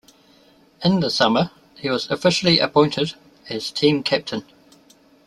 In the summer, he was officially appointed as team captain.